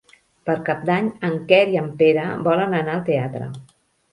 Per Cap d'Any en Quer i en Pere volen anar al teatre.